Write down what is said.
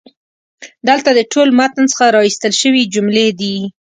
دلته د ټول متن څخه را ایستل شوي جملې دي: